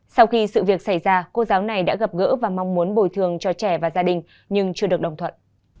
sau khi sự việc xảy ra cô giáo này đã gặp gỡ và mong muốn bồi thường cho trẻ và gia đình nhưng chưa được đồng thuận